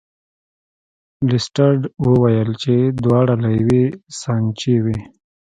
لیسټرډ وویل چې دواړه له یوې سانچې وې.